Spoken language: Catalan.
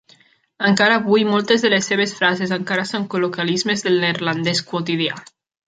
Encara avui, moltes de les seves frases encara són col·loquialismes del neerlandès quotidià.